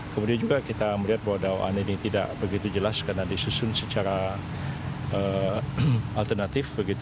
kemudian juga kita melihat bahwa dawaan ini tidak begitu jelas karena disusun secara alternatif